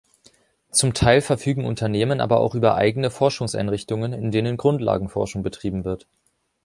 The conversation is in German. Zum Teil verfügen Unternehmen aber auch über eigene Forschungseinrichtungen, in denen Grundlagenforschung betrieben wird.